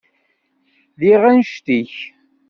Lliɣ annect-ik.